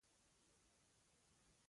هلته څو لارې دي.